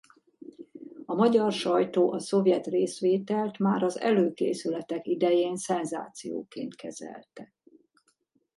A magyar sajtó a szovjet részvételt már az előkészületek idején szenzációként kezelte.